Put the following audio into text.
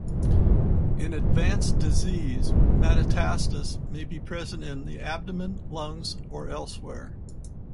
In advanced disease, metastases may be present in the abdomen, lungs, or elsewhere.